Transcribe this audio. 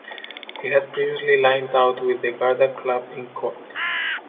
He had previously lined out with the Garda club in Cork.